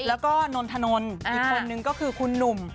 แล้วก็นนทนนอีกคนนึงก็คือคุณหนุ่ม